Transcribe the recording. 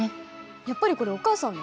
やっぱりこれお母さんの？